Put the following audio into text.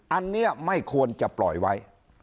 อันนี้ไม่ควรจะปล่อยไว้